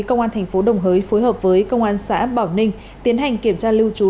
công an thành phố đồng hới phối hợp với công an xã bảo ninh tiến hành kiểm tra lưu trú